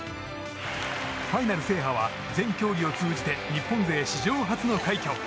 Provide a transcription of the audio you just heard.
ファイナル制覇は全競技を通じて日本勢史上初の快挙。